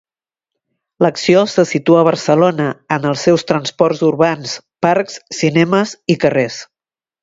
L'acció se situa a Barcelona, en els seus transports urbans, parcs, cinemes i carrers.